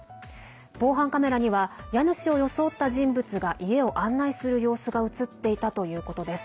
防犯カメラには家主を装った人物が家を案内する様子が映っていたということです。